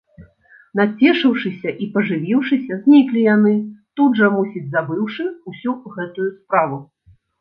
Нацешыўшыся і пажывіўшыся, зніклі яны, тут жа, мусіць, забыўшы ўсю гэтую справу.